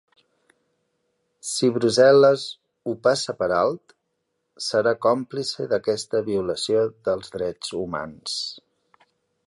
Si Brussel·les ho passa per alt, serà còmplice d’aquesta violació dels drets humans.